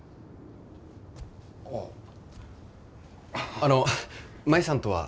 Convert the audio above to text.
あの、舞さんとは。